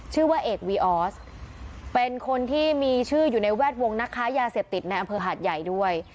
ชื่อว่าเอกวีออสเป็นคนที่มีชื่ออยู่ในแวดวงนักค้ายาเสพติดในอำเภอหาดใหญ่ด้วย